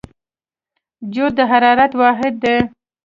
جوت د حرارت واحد دی.